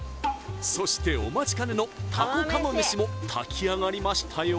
そしてお待ちかねのタコ釜飯も炊きあがりましたよ